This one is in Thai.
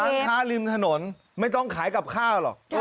ค้าริมถนนไม่ต้องขายกับข้าวหรอก